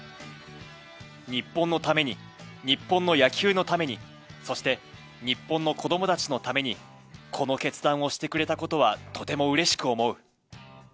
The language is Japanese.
日本のために、日本の野球のために、そして日本の子どもたちのために、この決断をしてくれたことはとてもうれしく思う。